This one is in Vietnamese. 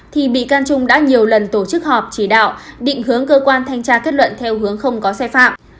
thì bị can trung đã nhiều lần tổ chức họp chỉ đạo định hướng cơ quan thanh tra kết luận theo hướng không có xe phạm